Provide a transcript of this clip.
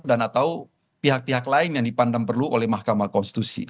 dan atau pihak pihak lain yang dipandang perlu oleh mahkamah konstitusi